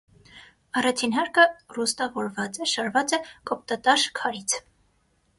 Առաջին հարկը ռուստավորված է (շարված է կոպտատաշ քարից)։